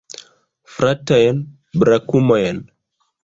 Fratajn brakumojn!